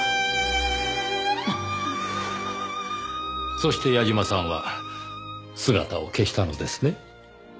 そして矢嶋さんは姿を消したのですね。